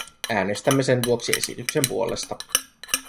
Äänestämme sen vuoksi esityksen puolesta.